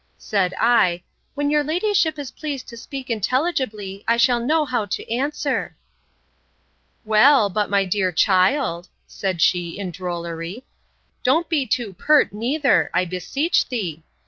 —Said I, When your ladyship is pleased to speak intelligibly, I shall know how to answer. Well, but my dear child, said she, in drollery, don't be too pert neither, I beseech thee.